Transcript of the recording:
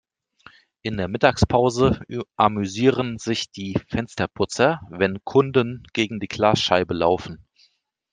In der Mittagspause amüsieren sich die Fensterputzer, wenn Kunden gegen die Glasscheibe laufen.